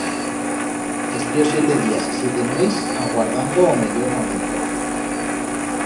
Estió siete días e siete nueits aguardando o mellor momento.